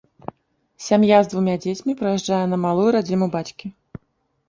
Сям'я з двума дзецьмі прыязджае на малую радзіму бацькі.